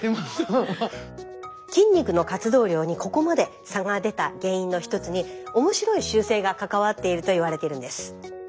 筋肉の活動量にここまで差が出た原因の一つに面白い習性が関わっていると言われてるんです。